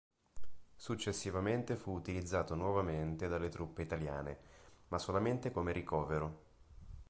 Successivamente fu utilizzato nuovamente dalle truppe italiane, ma solamente come ricovero.